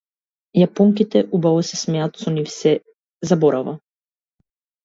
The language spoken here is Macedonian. Јапонките убаво се смеат, со нив сѐ се заборава.